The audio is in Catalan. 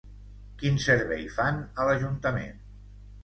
Quin servei fan a l'Ajuntament?